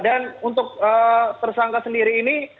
dan untuk tersangka sendiri